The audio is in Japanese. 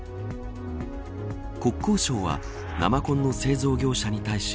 国交省は生コンの製造業者に対し